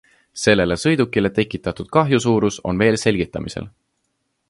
Sellele sõidukile tekitatud kahju suurus on veel selgitamisel.